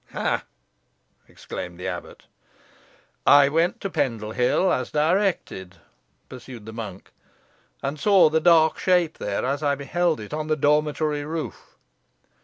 "Ha!" exclaimed the abbot. "I went to Pendle Hill, as directed," pursued the monk, "and saw the Dark Shape there as I beheld it on the dormitory roof.